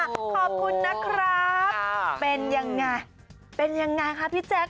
ขอบคุณนะครับเป็นอย่างไรค่ะพี่แจ๊ค